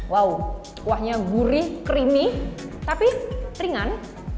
wow kuahnya gurih creamy tapi ringan